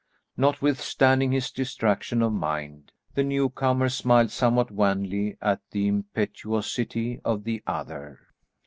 Notwithstanding his distraction of mind the newcomer smiled somewhat wanly at the impetuosity of the other.